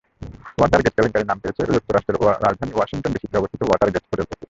Watergate কেলেঙ্কারি নাম পেয়েছে যুক্তরাষ্ট্রের রাজধানী ওয়াশিংটন ডিসিতে অবস্থিত ওয়াটারগেট হোটেল থেকে।